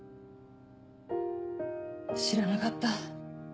「知らなかった。